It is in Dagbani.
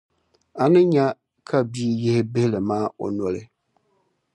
a ni nya ka bia yihi bihili maa o noli.